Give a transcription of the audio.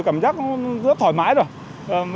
cảm giác rất thoải mái rồi